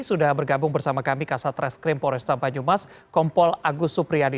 sudah bergabung bersama kami kasat reskrim poresta banyumas kompol agus supriyadi